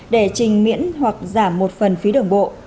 để trình miễn hoặc giảm một phần phí đường bộ